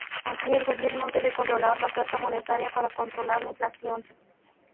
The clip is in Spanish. Así, el gobierno debe controlar la oferta monetaria para controlar la inflación.